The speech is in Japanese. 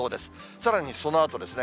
さらにそのあとですね。